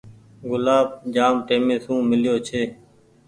گلآب جآم ٽيمي سون ميليو ڇي۔